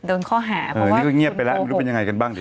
โดนข้อหาเพราะว่านี่ก็เงียบไปแล้วไม่รู้เป็นยังไงกันบ้าง